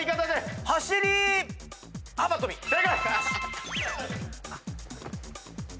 正解！